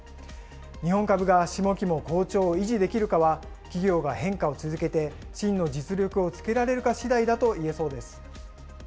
日本株が下期も好調を維持できるかは、企業が変化を続けて、真の実力をつけられるかしだいだと言えそうです。